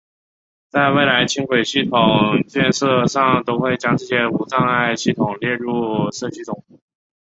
在未来轻轨系统建设上都会将这些无障碍系统列入设计中。